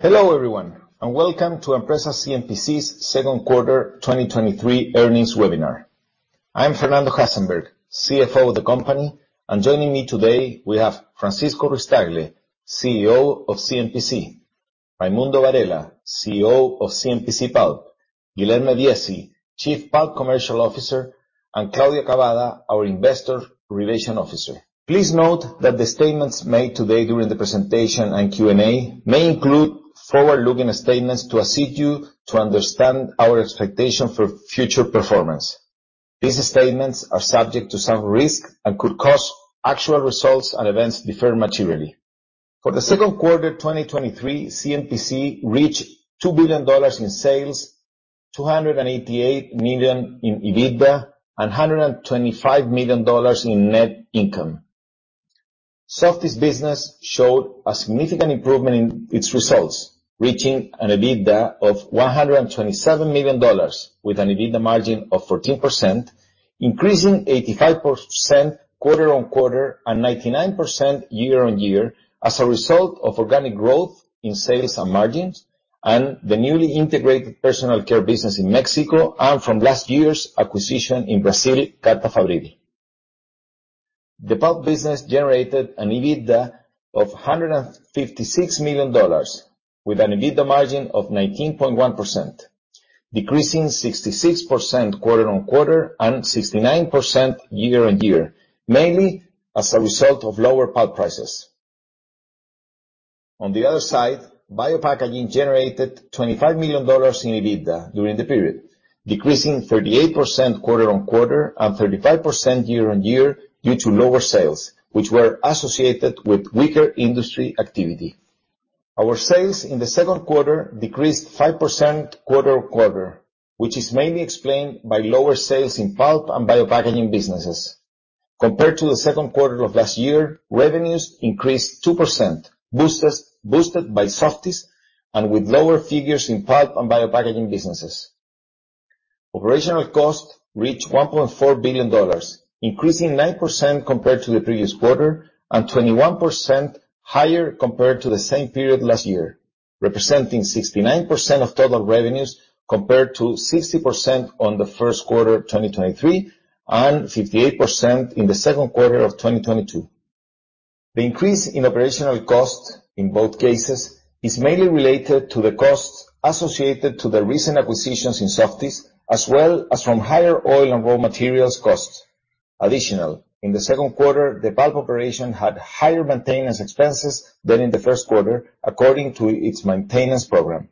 Hello, everyone, and welcome to Empresas CMPC's Q2 2023 Earnings Webinar. I'm Fernando Hasenberg, CFO of the company, and joining me today we have Francisco Ruiz-Tagle, CEO of CMPC; Raimundo Varela, CEO of CMPC Pulp; Guilherme Viesi, Chief Pulp Commercial Officer; and Claudia Cabada, our Investor Relation Officer. Please note that the statements made today during the presentation and Q&A may include forward-looking statements to assist you to understand our expectation for future performance. These statements are subject to some risk and could cause actual results and events differ materially. For the Q2 2023, CMPC reached $2 billion in sales, $288 million in EBITDA, and $125 million in net income. Softys business showed a significant improvement in its results, reaching an EBITDA of $127 million, with an EBITDA margin of 14%, increasing 85% quarter-on-quarter and 99% year-on-year, as a result of organic growth in sales and margins, and the newly integrated personal care business in Mexico, and from last year's acquisition in Brazil, Carta Fabril. The pulp business generated an EBITDA of $156 million, with an EBITDA margin of 19.1%, decreasing 66% quarter-on-quarter and 69% year-on-year, mainly as a result of lower pulp prices. On the other side, Bio-Packaging generated $25 million in EBITDA during the period, decreasing 38% quarter-on-quarter and 35% year-on-year due to lower sales, which were associated with weaker industry activity. Our sales in the Q2 decreased 5% quarter-on-quarter, which is mainly explained by lower sales in pulp and bio-packaging businesses. Compared to the Q2 of last year, revenues increased 2%, boosted by Softys and with lower figures in pulp and bio-packaging businesses. Operational costs reached $1.4 billion, increasing 9% compared to the previous quarter, and 21% higher compared to the same period last year, representing 69% of total revenues, compared to 60% on the Q1, 2023, and 58% in the Q2 of 2022. The increase in operational costs, in both cases, is mainly related to the costs associated to the recent acquisitions in Softys, as well as from higher oil and raw materials costs. In the Q2, the pulp operation had higher maintenance expenses than in the Q1, according to its maintenance program.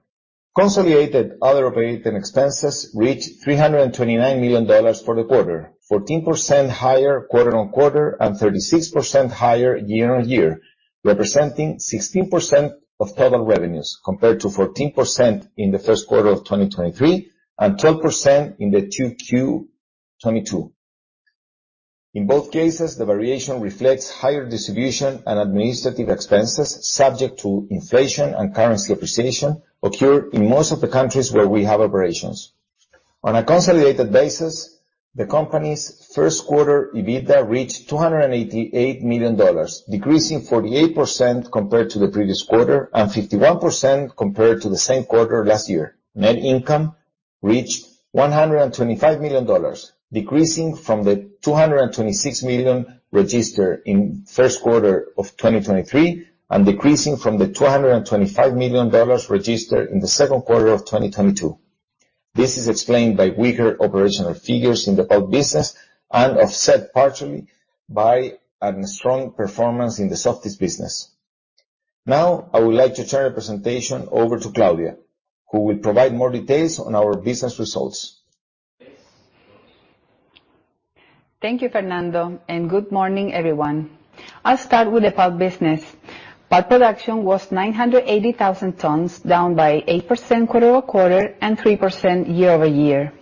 Consolidated other operating expenses reached $329 million for the quarter, 14% higher quarter-on-quarter, and 36% higher year-on-year, representing 16% of total revenues, compared to 14% in the Q1 of 2023, and 12% in the 2Q 2022. In both cases, the variation reflects higher distribution and administrative expenses, subject to inflation and currency appreciation occurred in most of the countries where we have operations. On a consolidated basis, the company's Q1 EBITDA reached $288 million, decreasing 48% compared to the previous quarter and 51% compared to the same quarter last year. Net income reached $125 million, decreasing from the $226 million registered in Q1 of 2023, and decreasing from the $225 million registered in the Q2 of 2022. This is explained by weaker operational figures in the pulp business and offset partially by a strong performance in the Softys business. Now, I would like to turn the presentation over to Claudia, who will provide more details on our business results. Thank you, Fernando. Good morning, everyone. I'll start with the pulp business. Pulp production was 980,000 tons, down by 8% quarter-over-quarter and 3% year-over-year.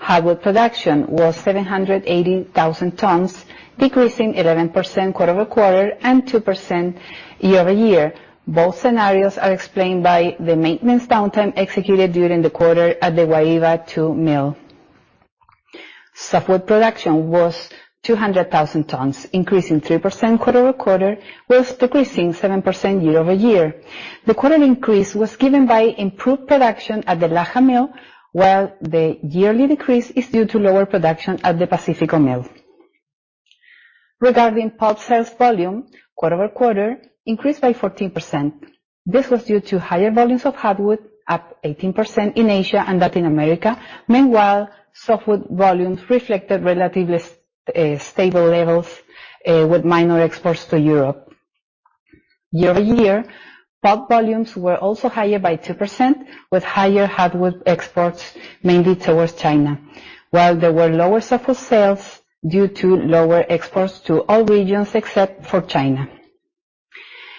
Hardwood production was 780,000 tons, decreasing 11% quarter-over-quarter and 2% year-over-year. Both scenarios are explained by the maintenance downtime executed during the quarter at the Guaíba Two mill. Softwood production was 200,000 tons, increasing 3% quarter-over-quarter, whilst decreasing 7% year-over-year. The quarter increase was given by improved production at the Laja mill, while the yearly decrease is due to lower production at the Pacífico mill. Regarding pulp sales volume, quarter-over-quarter increased by 14%. This was due to higher volumes of hardwood, up 18% in Asia and Latin America. Meanwhile, softwood volumes reflected relatively stable levels with minor exports to Europe. Year-over-year, pulp volumes were also higher by 2%, with higher hardwood exports, mainly towards China, while there were lower softwood sales due to lower exports to all regions except for China.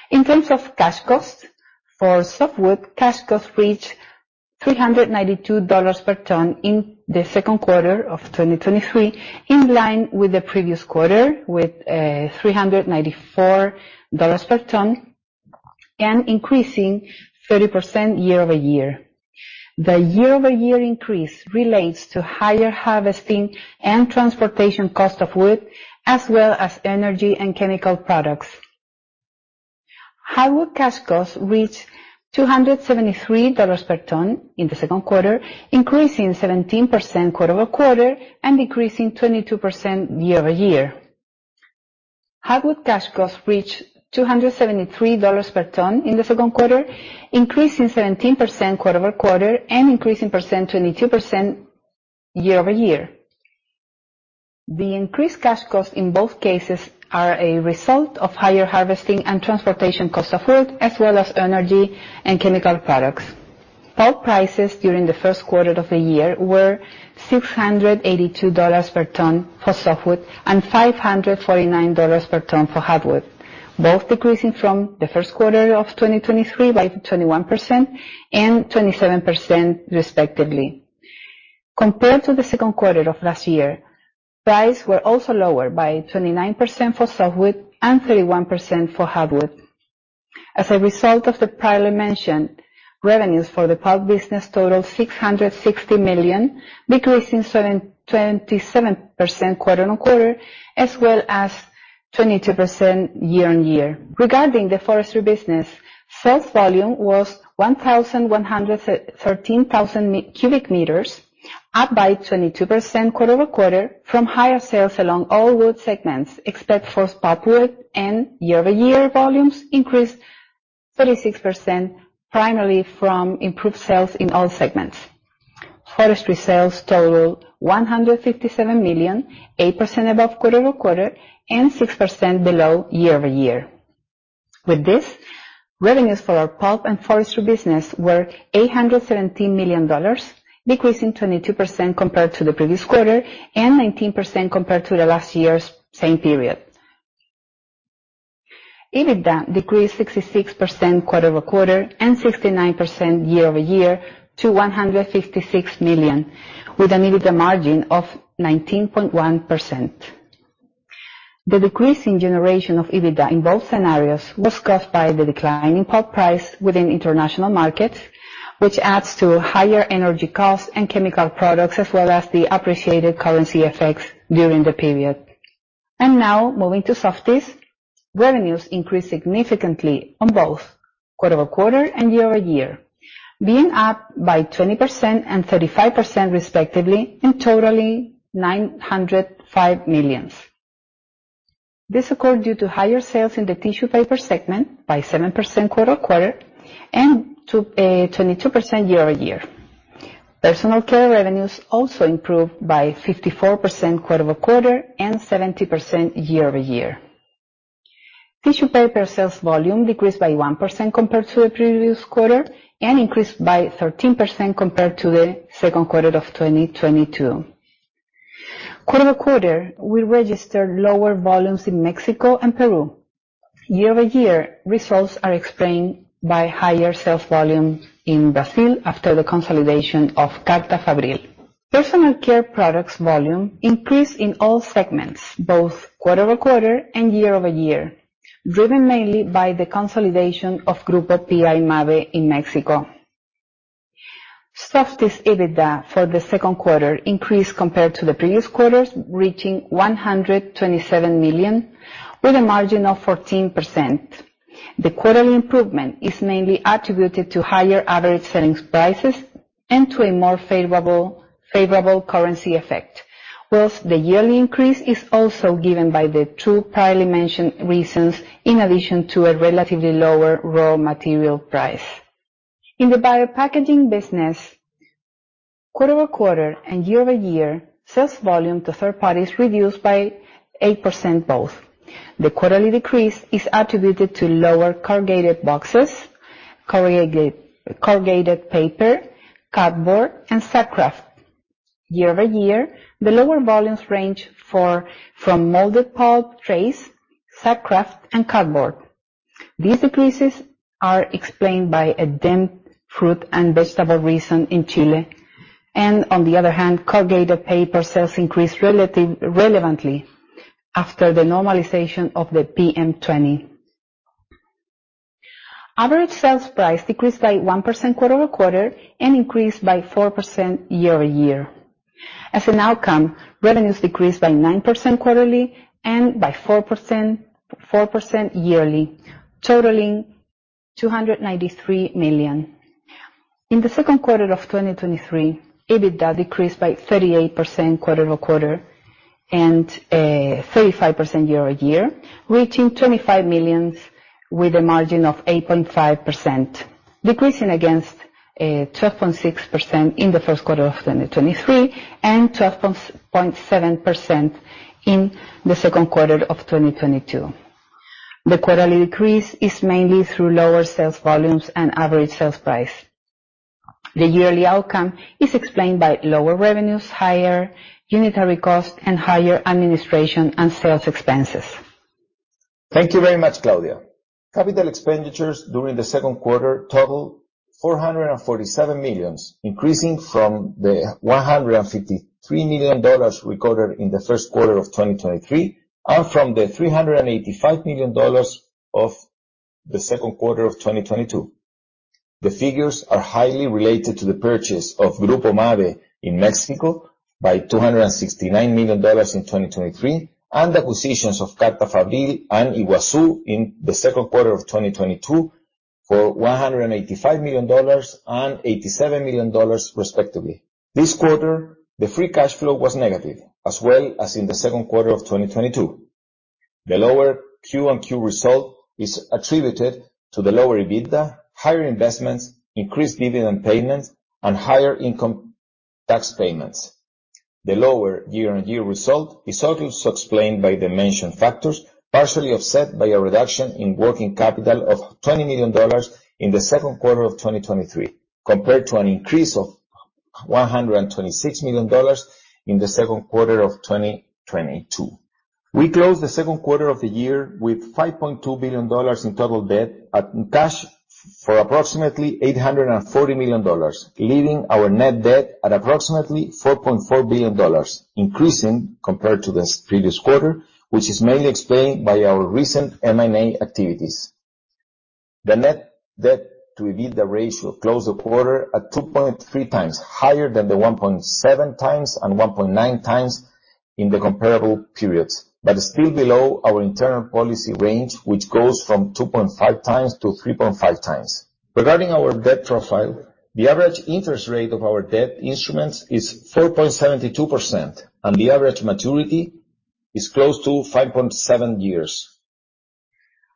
In terms of cash costs, for softwood, cash costs reached $392 per ton in the Q2 of 2023, in line with the previous quarter, with $394 per ton and increasing 30% year-over-year. The year-over-year increase relates to higher harvesting and transportation cost of wood, as well as energy and chemical products. Hardwood cash costs reached $273 per ton in the Q2, increasing 17% quarter-over-quarter, and decreasing 22% year-over-year. Hardwood cash costs reached $273 per ton in the Q2, increasing 17% quarter-over-quarter, 22% year-over-year. The increased cash costs in both cases are a result of higher harvesting and transportation costs of wood, as well as energy and chemical products. Pulp prices during the Q1 of the year were $682 per ton for softwood and $549 per ton for hardwood, both decreasing from the Q1 of 2023 by 21% and 27%, respectively. Compared to the Q2 of last year, prices were also lower by 29% for softwood and 31% for hardwood. As a result of the prior mentioned, revenues for the pulp business totaled $660 million, decreasing 27% quarter-on-quarter, as well as 22% year-on-year. Regarding the forestry business, sales volume was 13,000 cubic meters, up by 22% quarter-over-quarter from higher sales along all wood segments, except for softwood and year-over-year volumes increased 36%, primarily from improved sales in all segments. Forestry sales totaled $157 million, 8% above quarter-over-quarter, and 6% below year-over-year. With this, revenues for our pulp and forestry business were $817 million, decreasing 22% compared to the previous quarter, and 19% compared to the last year's same period. EBITDA decreased 66% quarter-over-quarter, and 69% year-over-year to $156 million, with an EBITDA margin of 19.1%. The decrease in generation of EBITDA in both scenarios was caused by the decline in pulp price within international markets, which adds to higher energy costs and chemical products, as well as the appreciated currency effects during the period. Now, moving to Softys. Revenues increased significantly on both quarter-over-quarter and year-over-year, being up by 20% and 35%, respectively, and totaling $905 million. This occurred due to higher sales in the tissue paper segment by 7% quarter-over-quarter and to a 22% year-over-year. Personal care revenues also improved by 54% quarter-over-quarter and 70% year-over-year. Tissue paper sales volume decreased by 1% compared to the previous quarter and increased by 13% compared to the Q2 of 2022. Quarter-over-quarter, we registered lower volumes in Mexico and Peru. Year-over-year, results are explained by higher sales volume in Brazil after the consolidation of Carta Fabril. Personal care products volume increased in all segments, both quarter-over-quarter and year-over-year, driven mainly by the consolidation of Grupo P.I. Mabe in Mexico. Softys' EBITDA for the Q2 increased compared to the previous quarters, reaching $127 million, with a margin of 14%. The quarterly improvement is mainly attributed to higher average selling prices and to a more favorable, favorable currency effect, whilst the yearly increase is also given by the two priorly mentioned reasons, in addition to a relatively lower raw material price. In the bio-packaging business, quarter-over-quarter and year-over-year, sales volume to third parties reduced by 8% both. The quarterly decrease is attributed to lower corrugated boxes, corrugated paper, cardboard, and sack kraft. Year-over-year, the lower volumes range from molded pulp trays, sack kraft, and cardboard. These decreases are explained by a damp fruit and vegetable reason in Chile, on the other hand, corrugated paper sales increased relevantly after the normalization of the PM20. Average sales price decreased by 1% quarter-over-quarter and increased by 4% year-over-year. As an outcome, revenues decreased by 9% quarterly and by 4% yearly, totaling $293 million. In the Q2 of 2023, EBITDA decreased by 38% quarter-over-quarter and 35% year-over-year, reaching $25 million with a margin of 8.5%, decreasing against 12.6% in the Q1 of 2023, and 12.7% in the Q2 of 2022. The quarterly decrease is mainly through lower sales volumes and average sales price. The yearly outcome is explained by lower revenues, higher unitary costs, and higher administration and sales expenses. Thank you very much, Claudia. Capital expenditures during the Q2 totaled $447 million, increasing from the $153 million recorded in the Q1 of 2023 and from the $385 million the Q2 of 2022. The figures are highly related to the purchase of Grupo Mabe in Mexico by $269 million in 2023, and acquisitions of Carta Fabril and Iguaçu in the Q2 of 2022 for $185 million and $87 million, respectively. This quarter, the free cash flow was negative, as well as in the Q2 of 2022. The lower QoQ result is attributed to the lower EBITDA, higher investments, increased dividend payments, and higher income tax payments. The lower year-on-year result is also explained by the mentioned factors, partially offset by a reduction in working capital of $20 million in the Q2 of 2023, compared to an increase of $126 million in the Q2 of 2022. We closed the Q2 of the year with $5.2 billion in total debt, and cash for approximately $840 million, leaving our net debt at approximately $4.4 billion, increasing compared to the previous quarter, which is mainly explained by our recent M&A activities. The net debt to EBITDA ratio closed the quarter at 2.3 times higher than the 1.7 times and 1.9 times in the comparable periods, but still below our internal policy range, which goes from 2.5 times to 3.5 times. Regarding our debt profile, the average interest rate of our debt instruments is 4.72%, and the average maturity is close to 5.7 years.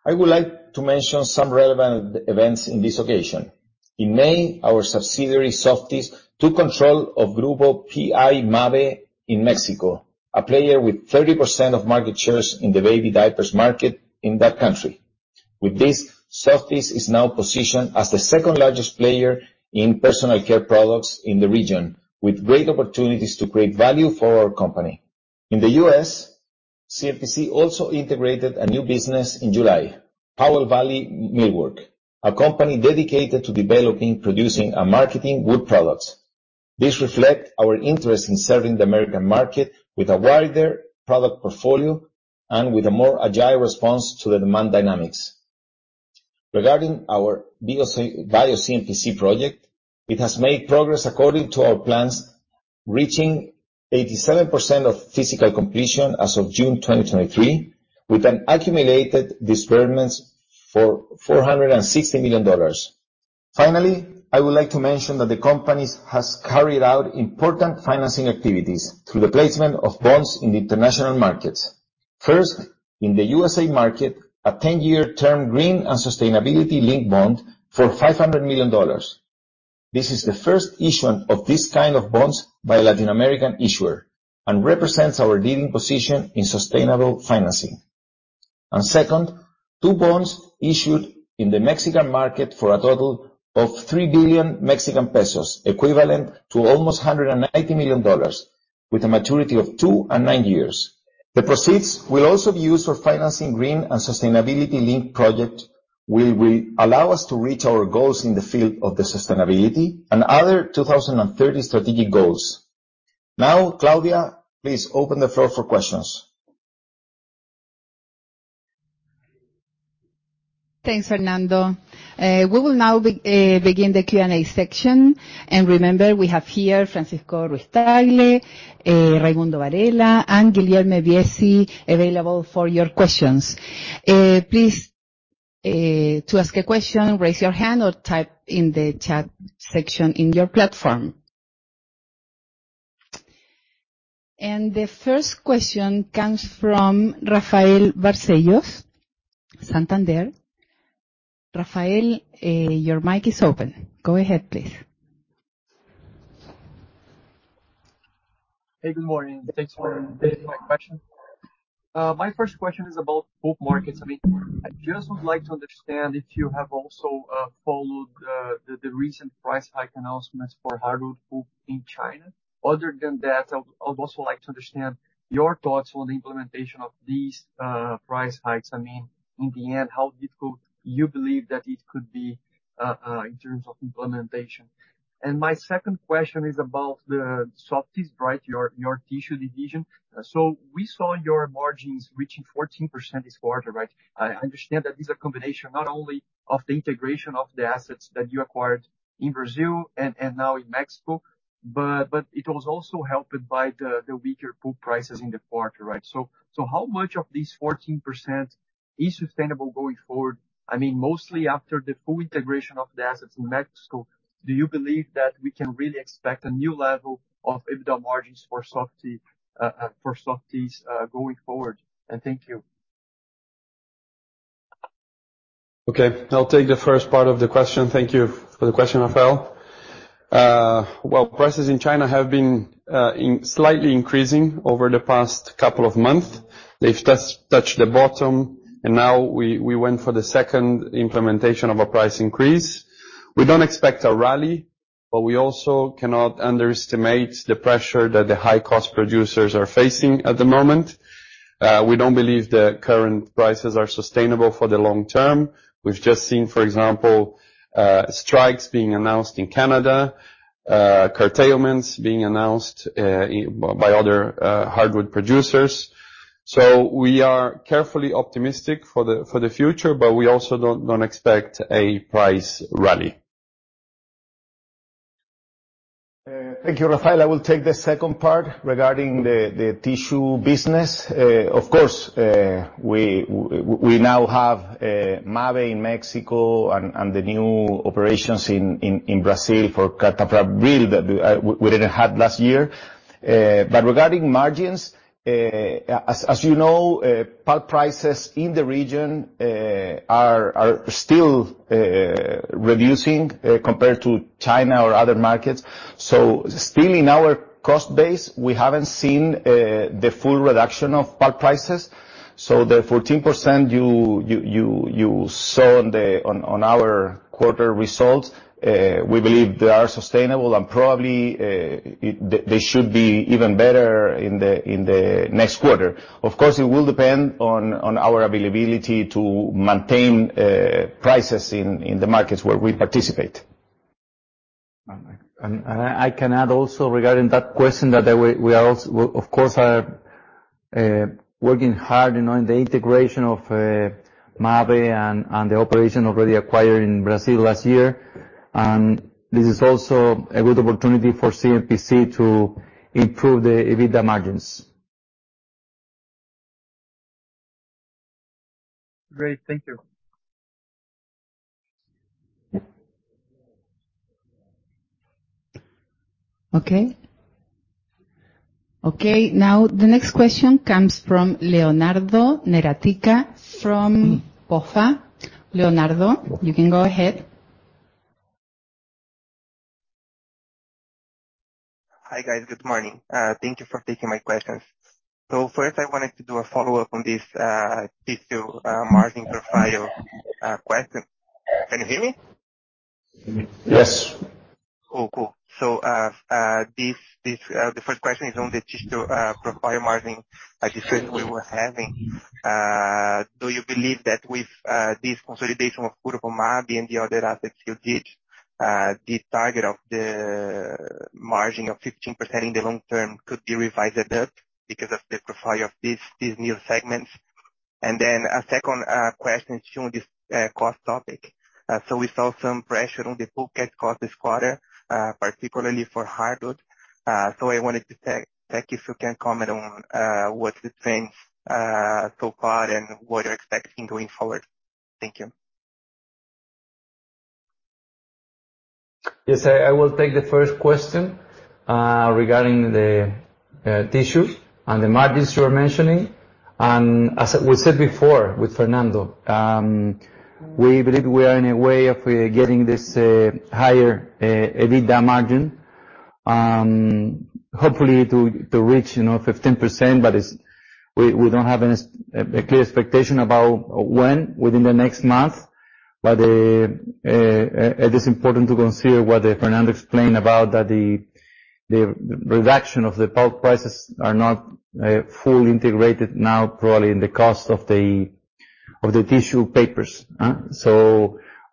I would like to mention some relevant events in this occasion. In May, our subsidiary, Softys, took control of Grupo P.I. Mabe in Mexico, a player with 30% of market shares in the baby diapers market in that country. With this, Softys is now positioned as the second-largest player in personal care products in the region, with great opportunities to create value for our company. In the US, CMPC also integrated a new business in July, Powell Valley Millwork, a company dedicated to developing, producing, and marketing wood products. This reflect our interest in serving the American market with a wider product portfolio and with a more agile response to the demand dynamics. Regarding our BioCMPC project, it has made progress according to our plans, reaching 87% of physical completion as of June 2023, with an accumulated disbursements for $460 million. Finally, I would like to mention that the company has carried out important financing activities through the placement of bonds in the international markets. First, in the USA market, a 10-year term green and sustainability-linked bond for $500 million. This is the first issue of this kind of bonds by Latin American issuer and represents our leading position in sustainable financing. Second, two bonds issued in the Mexican market for a total of 3 billion Mexican pesos, equivalent to almost $190 million, with a maturity of two and nine years. The proceeds will also be used for financing green and sustainability link project, will allow us to reach our goals in the field of the sustainability and other 2030 strategic goals. Now, Claudia, please open the floor for questions. Thanks, Fernando. We will now be begin the Q&A section. Remember, we have here Francisco Ruiz-Tagle, Raimundo Varela, and Guilherme Viesi available for your questions. Please, to ask a question, raise your hand or type in the chat section in your platform. The first question comes from Rafael Barcellos, Santander. Rafael, your mic is open. Go ahead, please. Hey, good morning. Thanks for taking my question. My first question is about pulp markets. I mean, I just would like to understand if you have also followed the recent price hike announcements for hardwood pulp in China. Other than that, I would, I would also like to understand your thoughts on the implementation of these price hikes. I mean, in the end, how difficult you believe that it could be in terms of implementation? My second question is about the Softys, right, your, your tissue division. We saw your margins reaching 14% this quarter, right? I understand that this is a combination not only of the integration of the assets that you acquired in Brazil and, and now in Mexico, but it was also helped by the weaker pulp prices in the quarter, right? How much of this 14% is sustainable going forward? I mean, mostly after the full integration of the assets in Mexico, do you believe that we can really expect a new level of EBITDA margins for Softys going forward? Thank you. Okay, I'll take the first part of the question. Thank you for the question, Rafael. Well, prices in China have been in slightly increasing over the past couple of months. They've touched the bottom, now we went for the second implementation of a price increase. We don't expect a rally, we also cannot underestimate the pressure that the high-cost producers are facing at the moment. We don't believe the current prices are sustainable for the long term. We've just seen, for example, strikes being announced in Canada, curtailments being announced by other hardwood producers. We are carefully optimistic for the future, we also don't expect a price rally. Thank you, Rafael. I will take the second part regarding the tissue business. Of course, we now have Mabe in Mexico and the new operations in Brazil for Carta Fabril that we didn't have last year. Regarding margins, as you know, pulp prices in the region are still reducing compared to China or other markets. Still in our cost base, we haven't seen the full reduction of pulp prices. The 14% you saw on our quarter results, we believe they are sustainable and probably they should be even better in the next quarter. Of course, it will depend on our availability to maintain prices in the markets where we participate. I, I can add also regarding that question, that we, of course, are working hard on the integration of Mabe and, and the operation already acquired in Brazil last year. This is also a good opportunity for CMPC to improve the EBITDA margins. Great. Thank you. Okay. Okay, now the next question comes from Leonardo Neratika from BofA. Leonardo, you can go ahead. Hi, guys. Good morning. Thank you for taking my questions. First, I wanted to do a follow-up on this, tissue, margin profile, question. Can you hear me? Yes. Oh, cool. This, this, the first question is on the tissue profile margin, like you said we were having. Do you believe that with this consolidation of Grupo P.I. Mabe and the other assets you did, the target of the margin of 15% in the long term could be revised up because of the profile of these new segments? A second question is on this cost topic. We saw some pressure on the pocket cost this quarter, particularly for hardwood. I wanted to check if you can comment on what's the trend so far and what you're expecting going forward. Thank you. Yes, I, I will take the first question, regarding the tissue and the margins you are mentioning. As I... we said before with Fernando, we believe we are in a way of getting this higher EBITDA margin. Hopefully to reach, you know, 15%, but we don't have any clear expectation about when within the next month. It is important to consider what Fernando explained about that the reduction of the pulp prices are not fully integrated now, probably in the cost of the tissue papers.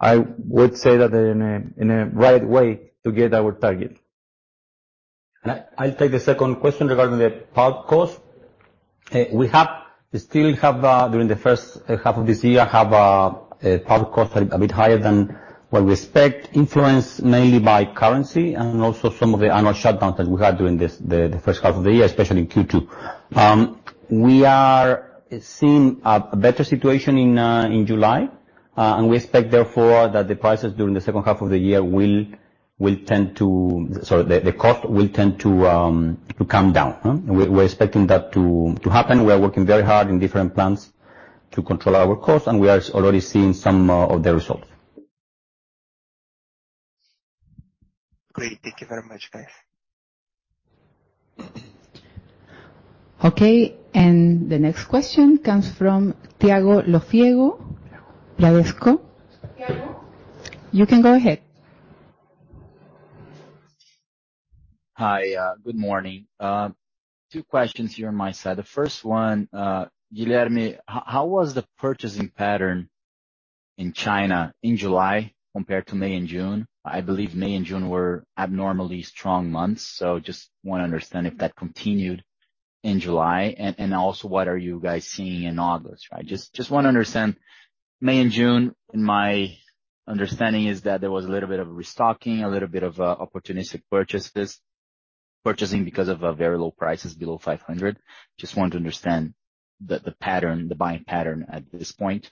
I would say that they're in a right way to get our target. I, I'll take the second question regarding the pulp cost. We have, still have, during the first half of this year, have pulp cost a bit higher than what we expect, influenced mainly by currency and also some of the annual shutdowns that we had during this, the first half of the year, especially in Q2. We are seeing a better situation in July, and we expect, therefore, that the prices during the second half of the year will, will tend to... Sorry, the cost will tend to come down, huh? We're expecting that to happen. We are working very hard in different plants to control our costs, and we are already seeing some of the results. Great. Thank you very much, guys. Okay, the next question comes from Thiago Lofiego Bradesco. Thiago. You can go ahead. Hi, good morning. Two questions here on my side. The first one, Guilherme, how was the purchasing pattern in China in July compared to May and June? I believe May and June were abnormally strong months, so just wanna understand if that continued in July. Also, what are you guys seeing in August? Right. Just wanna understand. May and June, in my understanding, is that there was a little bit of restocking, a little bit of opportunistic purchases, purchasing because of very low prices below $500. Just want to understand the pattern, the buying pattern at this point.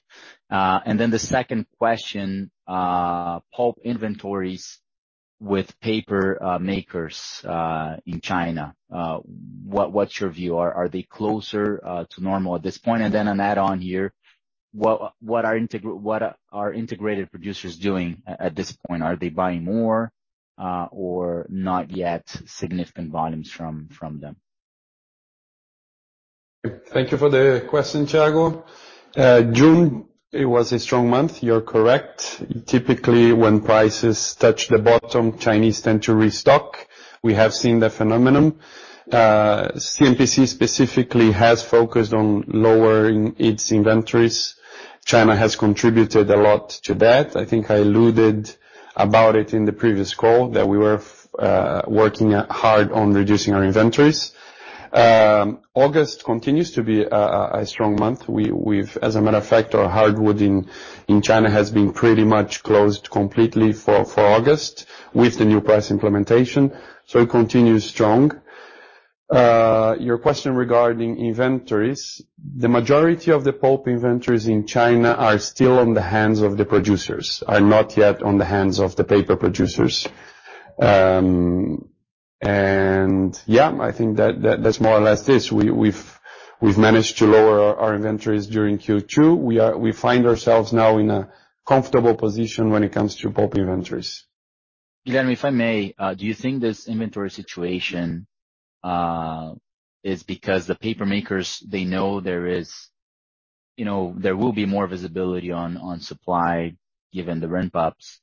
Then the second question, pulp inventories with paper makers in China. What's your view? Are they closer to normal at this point? Then an add-on here, what, what are integra... What are integrated producers doing at this point? Are they buying more, or not yet significant volumes from them? Thank you for the question, Thiago. June, it was a strong month. You're correct. Typically, when prices touch the bottom, Chinese tend to restock. We have seen the phenomenon. CMPC specifically has focused on lowering its inventories. China has contributed a lot to that. I think I alluded about it in the previous call, that we were working hard on reducing our inventories. August continues to be a strong month. As a matter of fact, our hardwood in China has been pretty much closed completely for August with the new price implementation, so it continues strong. Your question regarding inventories. The majority of the pulp inventories in China are still on the hands of the producers, are not yet on the hands of the paper producers. Yeah, I think that, that, that's more or less this. We've managed to lower our inventories during Q2. We find ourselves now in a comfortable position when it comes to pulp inventories. Guilherme, if I may, do you think this inventory situation is because the paper makers, they know there is... You know, there will be more visibility on, on supply, given the rent ups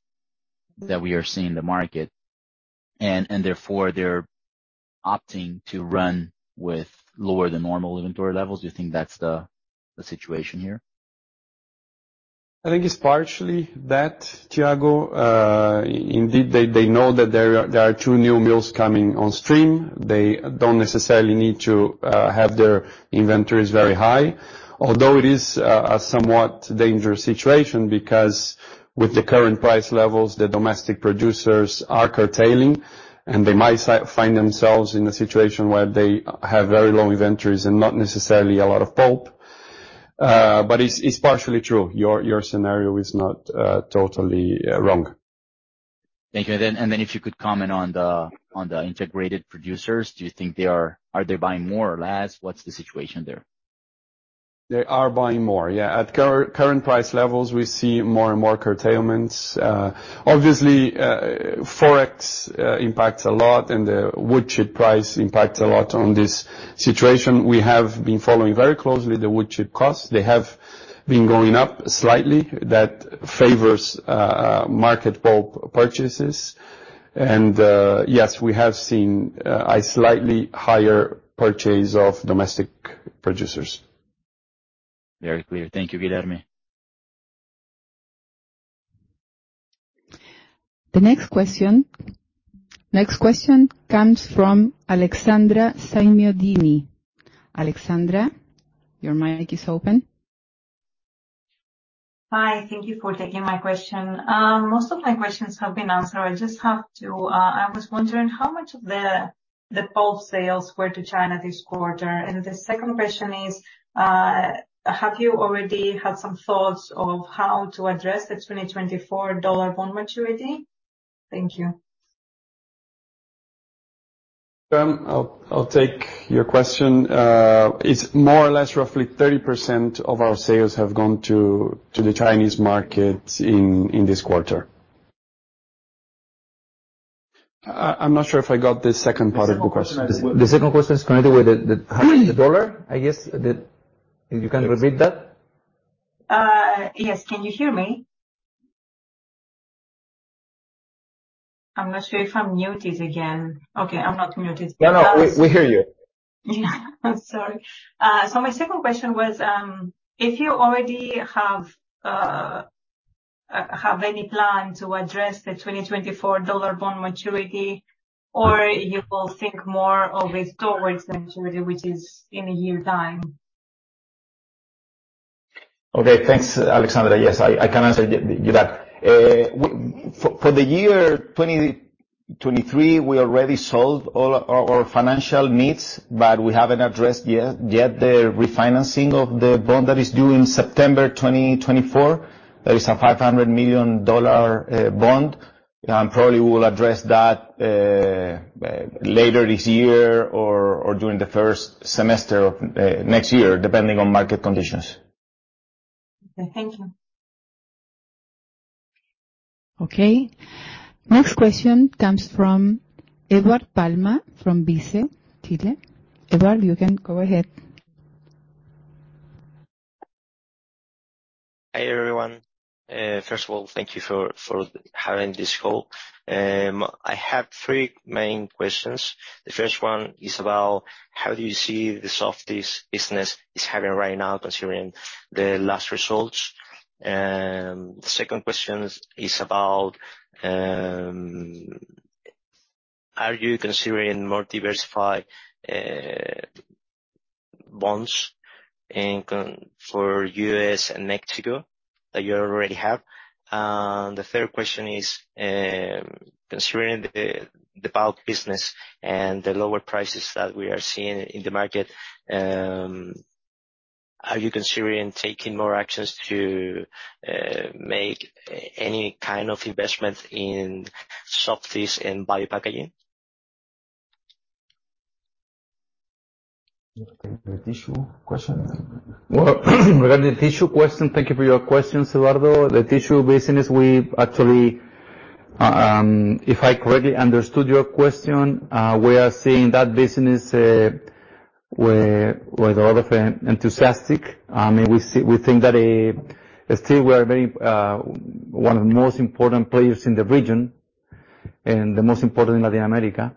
that we are seeing in the market, and, and therefore they're opting to run with lower than normal inventory levels. Do you think that's the, the situation here? I think it's partially that, Thiago. Indeed, they, they know that there are, there are two new mills coming on stream. They don't necessarily need to have their inventories very high. Although it is a, a somewhat dangerous situation, because with the current price levels, the domestic producers are curtailing, they might find themselves in a situation where they have very low inventories and not necessarily a lot of pulp. It's, it's partially true. Your, your scenario is not totally wrong. Thank you. If you could comment on the, on the integrated producers, Are they buying more or less? What's the situation there? They are buying more. Yeah, at current price levels, we see more and more curtailments. Obviously, Forex impacts a lot, and the wood chip price impacts a lot on this situation. We have been following very closely the wood chip costs. They have been going up slightly. That favors market pulp purchases, and yes, we have seen a slightly higher purchase of domestic producers. Very clear. Thank you, Guilherme. The next question, next question comes from Alexandra Samiodini. Alexandra, your mic is open. Hi, thank you for taking my question. most of my questions have been answered. I just have to... I was wondering, how much of the, the pulp sales were to China this quarter? The second question is, have you already had some thoughts on how to address the 2024 dollar bond maturity? Thank you. I'll, I'll take your question. It's more or less roughly 30% of our sales have gone to, to the Chinese market in, in this quarter. I, I'm not sure if I got the second part of the question. The second question is to do with the, the dollar, I guess. The... If you can repeat that? Yes. Can you hear me? I'm not sure if I'm muted again. Okay, I'm not muted. No, no, we, we hear you. I'm sorry. My second question was, if you already have, have any plan to address the 2024 dollar bond maturity, or you will think more always towards maturity, which is in one year's time? Okay. Thanks, Alexandra. Yes, I, I can answer you that. For, for the year 2023, we already solved all our, our financial needs, but we haven't addressed yet the refinancing of the bond that is due in September 2024. That is a $500 million bond, and probably we will address that later this year or, or during the first semester of next year, depending on market conditions. Okay. Thank you. Okay. Next question comes from Edward Palma from BICE, Chile. Edward, you can go ahead. Hi, everyone. First of all, thank you for, for having this call. I have three main questions. The first one is about, how do you see the Softys business is having right now, considering the last results? The second question is about, are you considering more diversified bonds in for US and Mexico that you already have? The third question is, considering the bulk business and the lower prices that we are seeing in the market, are you considering taking more actions to make any kind of investment in Softys and bio-packaging? Tissue questions. Well, regarding the tissue question, thank you for your question, Eduardo. The tissue business, we actually, if I correctly understood your question, we are seeing that business, we're, we're a lot of enthusiastic. We think that still we are very, one of the most important players in the region and the most important in Latin America,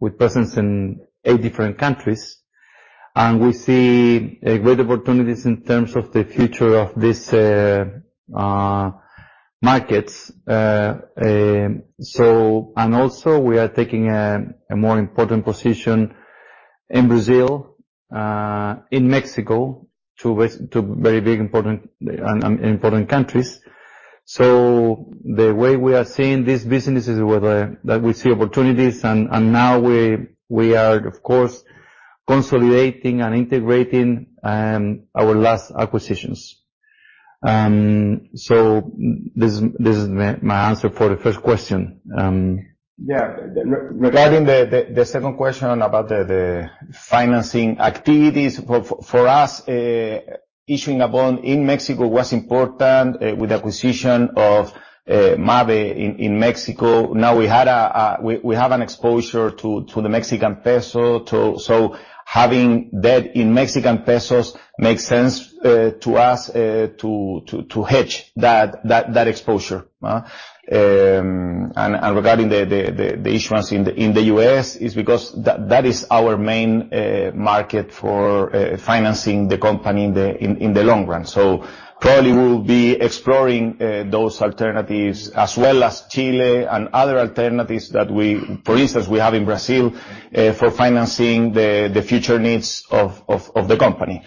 with presence in eight different countries.... We see great opportunities in terms of the future of these markets. Also, we are taking a more important position in Brazil, in Mexico, two very, two very big important and important countries. The way we are seeing these businesses with a- that we see opportunities, and now we are, of course, consolidating and integrating our last acquisitions. This is my answer for the first question, yeah. Regarding the second question about the financing activities, for us, issuing a bond in Mexico was important with the acquisition of Mabe in Mexico. Now, we had a, we have an exposure to the Mexican peso, to... Having that in Mexican pesos makes sense to us to, to, to hedge that, that, that exposure. Regarding the, the, the, the issuance in the US, is because that, that is our main market for financing the company in the, in, in the long run. Probably we'll be exploring those alternatives, as well as Chile and other alternatives that we, for instance, we have in Brazil, for financing the, the future needs of, of, of the company.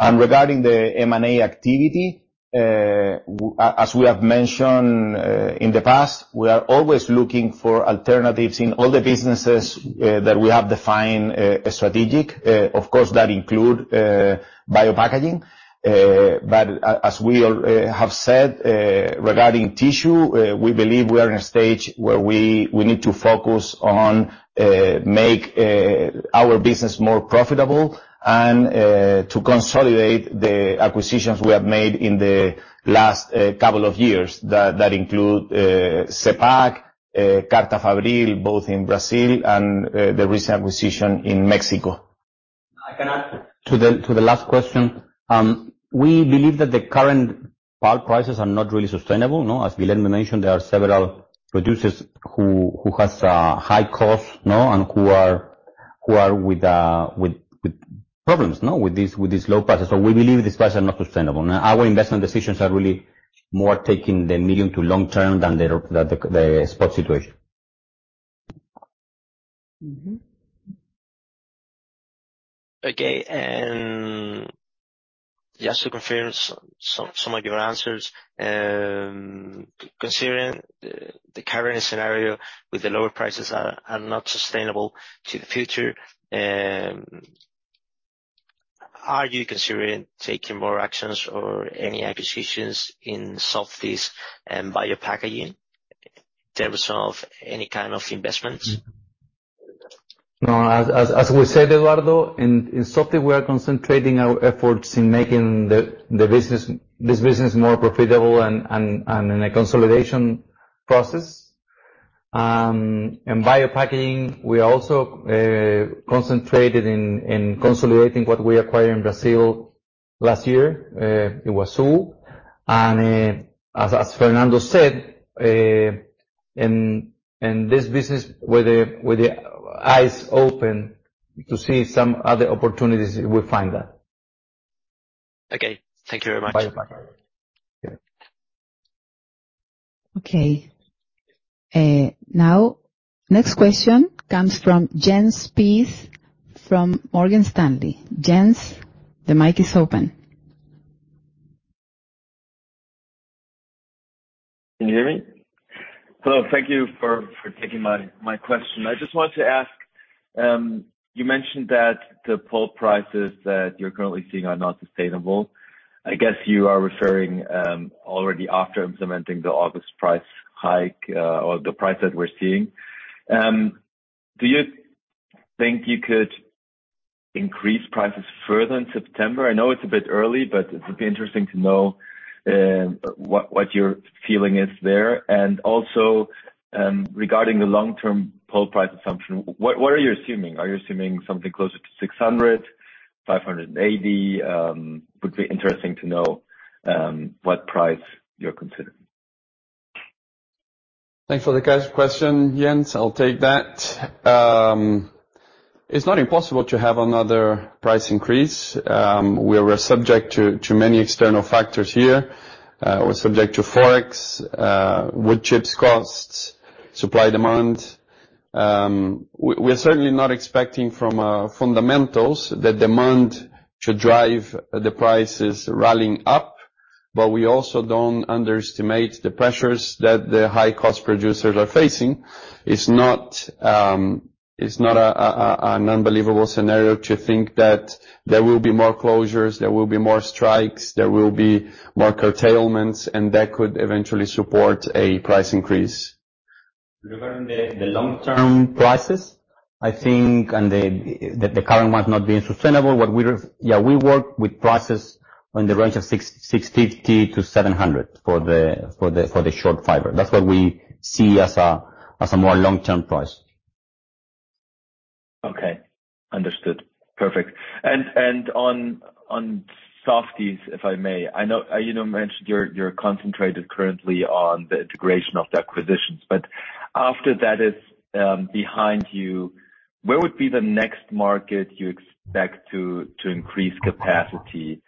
Regarding the M&A activity, as, as we have mentioned in the past, we are always looking for alternatives in all the businesses that we have defined as strategic. Of course, that include bio-packaging. As we all have said, regarding tissue, we believe we are in a stage where we, we need to focus on make our business more profitable and to consolidate the acquisitions we have made in the last couple of years. That, that include SEPAC, Carta Fabril, both in Brazil, and the recent acquisition in Mexico. I can add to the last question. We believe that the current pulp prices are not really sustainable. As Guillermo mentioned, there are several producers who has high costs, and who are with problems, with these, with these low prices. We believe these prices are not sustainable. Now, our investment decisions are really more taking the medium to long term than the, than the, the spot situation. Mm-hmm. Okay, just to confirm some, some, some of your answers. Considering the, the current scenario with the lower prices are, are not sustainable to the future, are you considering taking more actions or any acquisitions in Softys and bio-packaging in terms of any kind of investments? No, as, as, as we said, Eduardo, in, in Softys, we are concentrating our efforts in making the, the business, this business more profitable and, and, and in a consolidation process. In bio-packaging, we also concentrated in, in consolidating what we acquired in Brazil last year, it was Iguaçu. As, as Fernando said, in, in this business, with the, with the eyes open to see some other opportunities, we find that. Okay. Thank you very much. Bye-bye. Yeah. Okay. Now, next question comes from Jens Spiess from Morgan Stanley. Jens, the mic is open. Can you hear me? Hello, thank you for, for taking my, my question. I just wanted to ask, you mentioned that the pulp prices that you're currently seeing are not sustainable. I guess you are referring, already after implementing the August price hike, or the price that we're seeing. Do you think you could increase prices further in September? I know it's a bit early, but it would be interesting to know, what, what your feeling is there. Also, regarding the long-term pulp price assumption, what, what are you assuming? Are you assuming something closer to 600, 580? Would be interesting to know, what price you're considering. Thanks for the question, Jens. I'll take that. It's not impossible to have another price increase. We are subject to many external factors here. We're subject to Forex, wood chips costs, supply, demand. We're certainly not expecting from fundamentals that demand should drive the prices rallying up, but we also don't underestimate the pressures that the high-cost producers are facing. It's not an unbelievable scenario to think that there will be more closures, there will be more strikes, there will be more curtailments, and that could eventually support a price increase. Regarding the, the long-term prices, I think, and the, the, the current ones not being sustainable, what we Yeah, we work with prices on the range of $650-700 for the, for the, for the short fiber. That's what we see as a, as a more long-term price. Okay. Understood. Perfect. On, on Softys, if I may, I know You know, mentioned you're, you're concentrated currently on the integration of the acquisitions, after that is behind you, where would be the next market you expect to, to increase capacity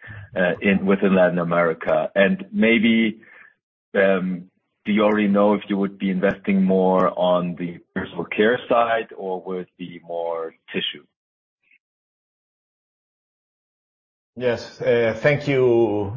in, within Latin America? Maybe, do you already know if you would be investing more on the personal care side, or would it be more tissue? Yes. Thank you,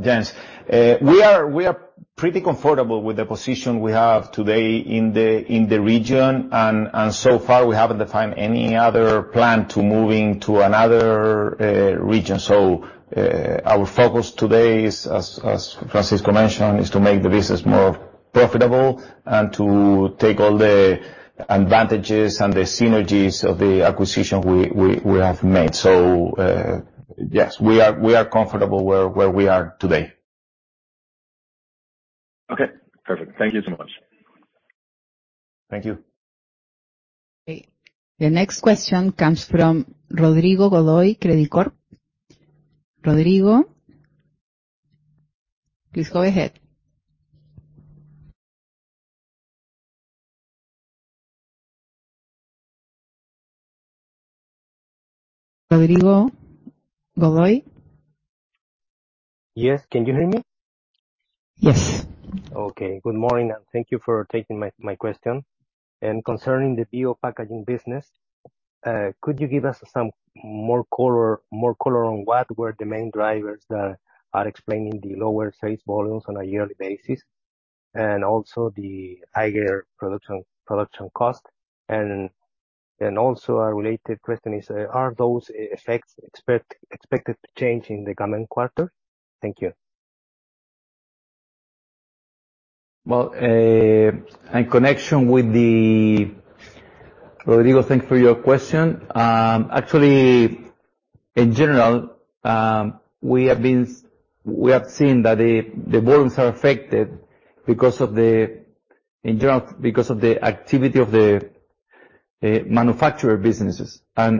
Jens. We are, we are pretty comfortable with the position we have today in the, in the region, and, and so far, we haven't defined any other plan to moving to another, region. Our focus today is, as, as Francisco mentioned, is to make the business more profitable and to take all the advantages and the synergies of the acquisition we, we, we have made. Yes, we are, we are comfortable where, where we are today. Okay, perfect. Thank you so much. Thank you. Okay. The next question comes from Rodrigo Godoy, Credicorp. Rodrigo, please go ahead. Rodrigo Godoy? Yes. Can you hear me? Yes. Okay. Good morning, and thank you for taking my, my question. Concerning the bio-packaging business, could you give us some more color, more color on what were the main drivers that are explaining the lower sales volumes on a yearly basis, and also the higher production, production cost? Also a related question is, are those effects expect- expected to change in the coming quarter? Thank you. Well, in connection with the... Rodrigo, thanks for your question. Actually, in general, we have seen that the, the volumes are affected because of the... In general, because of the activity of the manufacturer businesses. At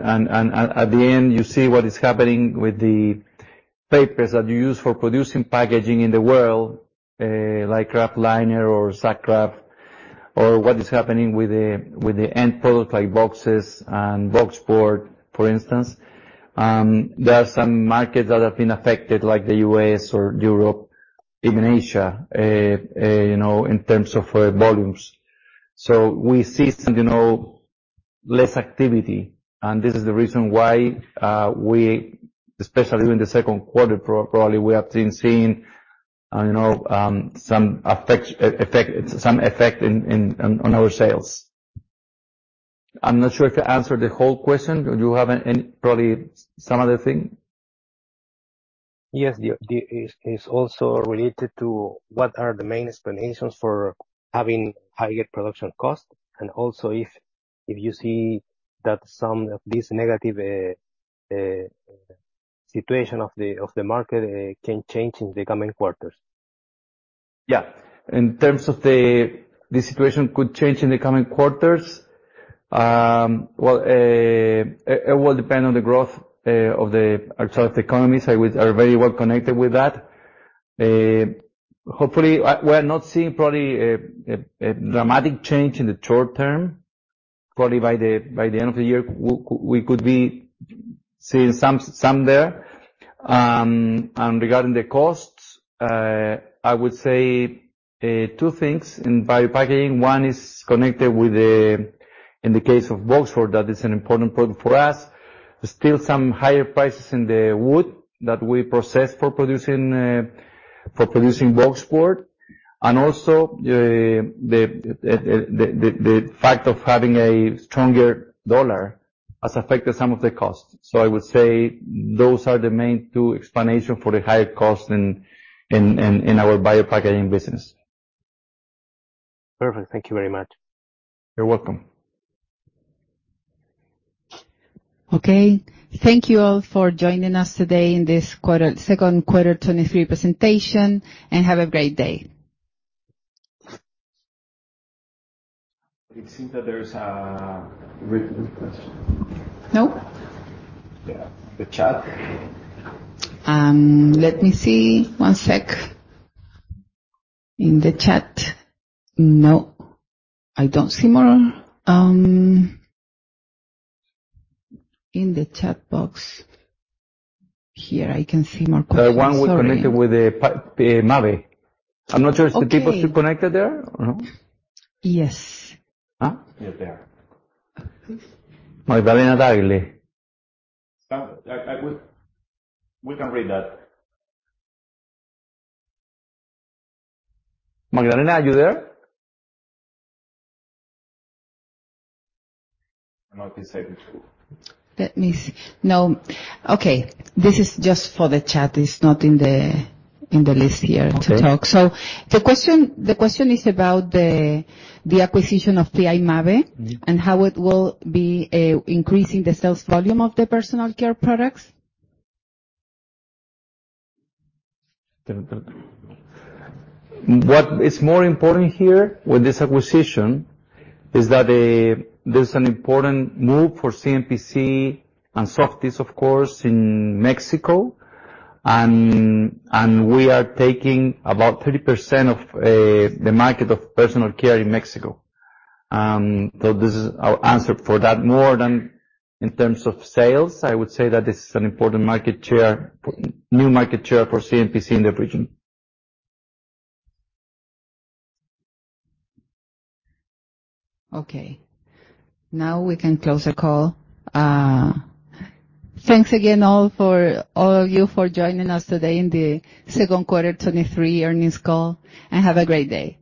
the end, you see what is happening with the papers that you use for producing packaging in the world, like kraftliner or sack kraft, or what is happening with the, with the end product, like boxes and boxboard, for instance. There are some markets that have been affected, like the US or Europe, even Asia, you know, in terms of volumes. We see some, you know, less activity, and this is the reason why we, especially in the Q2, probably we have been seeing, you know, some effect in on our sales. I'm not sure if I answered the whole question. Do you have any? Probably some other thing? Yes, the, the, it's, it's also related to what are the main explanations for having higher production costs, and also if, if you see that some of this negative situation of the market can change in the coming quarters. Yeah. In terms of the, the situation could change in the coming quarters, well, it, it will depend on the growth of the economies, I would are very well connected with that. Hopefully, we're not seeing probably a, a, a dramatic change in the short term. Probably by the, by the end of the year, we could be seeing some, some there. And regarding the costs, I would say two things in bio-packaging. One is connected with the, in the case of boxboard, that is an important point for us. There's still some higher prices in the wood that we process for producing for producing boxboard. And also, the, the, the, the fact of having a stronger dollar has affected some of the costs. I would say those are the main two explanation for the higher cost in our bio-packaging business. Perfect. Thank you very much. You're welcome. Okay. Thank you all for joining us today in Q2 2023 Presentation. Have a great day. It seems that there's a written question. Nope. Yeah, the chat. Let me see. One sec. In the chat... No, I don't see more. In the chat box. Here, I can see more questions. The one we connected with the Mabe. Okay. I'm not sure, is the people still connected there or no? Yes. Huh? Yes, they are. Please. Magdalena Dagle. We can read that. Magdalena, are you there? I'm not decided to. Let me see. No. Okay, this is just for the chat. It's not in the, in the list here- Okay. to talk. The question, the question is about the acquisition of P.I. Mabe- Mm. how it will be, increasing the sales volume of the personal care products. What is more important here with this acquisition is that this is an important move for CMPC and Softys, of course, in Mexico, and we are taking about 30% of the market of personal care in Mexico. This is our answer for that. More than in terms of sales, I would say that this is an important market share, new market share for CMPC in the region. Okay, now we can close the call. Thanks again all for, all of you for joining us today in the Q2 2023 Earnings Call, and have a great day.